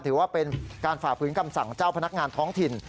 ถือว่าเป็นการฝ่าฝืนคำสั่งเจ้าพนักงานท้องถิ่น